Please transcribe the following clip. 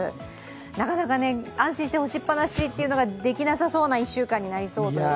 なかなか、安心して干しっぱなしというのができなさそうな１週間になりそうです。